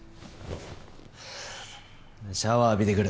シャワー浴びてくる。